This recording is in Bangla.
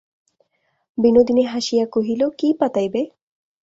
বিনোদিনী হাসিয়া কহিল, কী পাতাইবে।